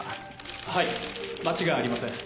はい間違いありません。